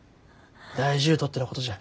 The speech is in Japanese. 大事ゅうとってのことじゃ。